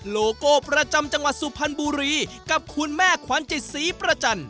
โลโก้ประจำจังหวัดสุพรรณบุรีกับคุณแม่ขวัญจิตศรีประจันท